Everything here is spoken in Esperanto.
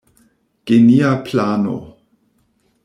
Genia plano.